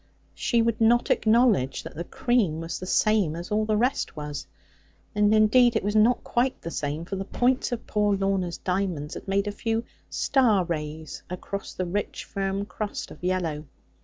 She would not acknowledge that the cream was the same as all the rest was: and indeed it was not quite the same, for the points of poor Lorna's diamonds had made a few star rays across the rich firm crust of yellow.